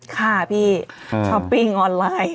ค่ะพี่ช้อปปิ้งออนไลน์